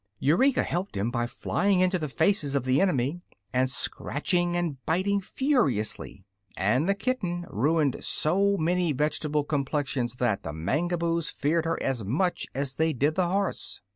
Eureka helped him by flying into the faces of the enemy and scratching and biting furiously, and the kitten ruined so many vegetable complexions that the Mangaboos feared her as much as they did the horse.